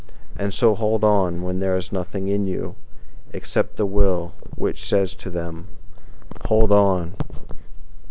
And so hold on when there is nothing in you Except the Will which says to them: 'Hold on!'